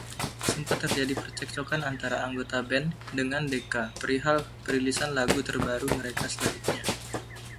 Sempat terjadi percekcokan antara anggota band dengan Decca perihal perilisan lagu terbaru mereka selanjutnya.